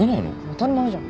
当たり前じゃん。